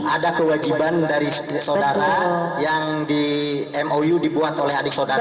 ada kewajiban dari saudara yang di mou dibuat oleh adik saudara